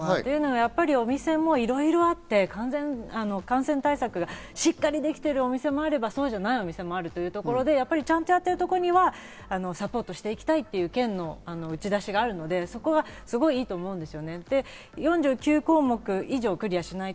お店もいろいろあって、感染対策がしっかりできているお店もあれば、そうじゃないお店もあるというところで、ちゃんとやっているところにはサポートしていきたいっていう県の打ち出しがあるので、そこはすごくいいと思うんです。